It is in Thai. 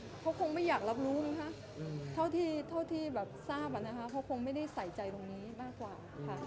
เขาคงไม่อยากรับรู้มั้งคะเท่าที่แบบทราบอะนะคะเขาคงไม่ได้ใส่ใจตรงนี้มากกว่าค่ะ